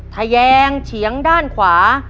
ทะแยงเฉียงด้านขวา